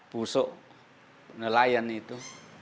pusok nelayan itu